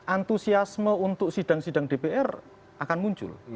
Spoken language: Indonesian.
antusiasme untuk sidang sidang dpr akan muncul